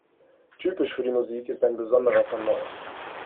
Typisch für die Musik ist ein besonderer von Neu!